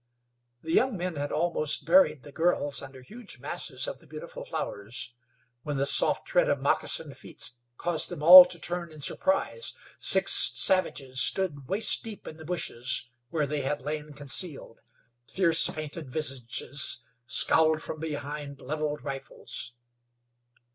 The young men had almost buried the girls under huge masses of the beautiful flowers, when the soft tread of moccasined feet caused them all to turn in surprise. Six savages stood waist deep in the bushes, where they had lain concealed. Fierce, painted visages scowled from behind leveled rifles.